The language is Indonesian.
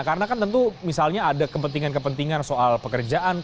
karena kan tentu misalnya ada kepentingan kepentingan soal pekerjaan